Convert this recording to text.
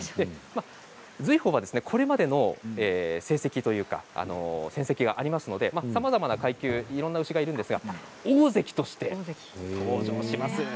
瑞宝はこれまでの成績というか成績がありますのでさまざまな階級いろんな牛がいますが大関として登場します。